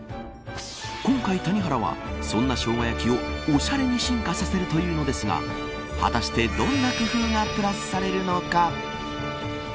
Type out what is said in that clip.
今回、谷原はそんなしょうが焼きをおしゃれに進化させるというのですが果たして、どんな工夫がプラスされるのか。